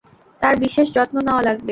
তার বিশেষ যত্ন নেওয়া লাগবে।